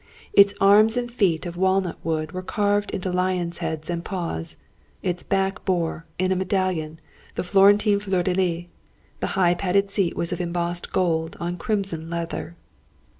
Its arms and feet of walnut wood, were carved into lions' heads and paws. Its back bore, in a medallion, the Florentine fleur de lis. The high padded seat was of embossed gold, on crimson leather.